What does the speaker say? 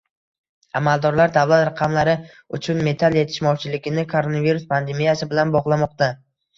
Amaldorlar davlat raqamlari uchun metall yetishmovchiligini koronavirus pandemiyasi bilan bog‘lamoqda